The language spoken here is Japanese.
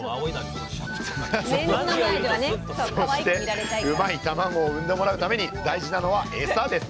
そしてうまいたまごを産んでもらうために大事なのは「エサ」です。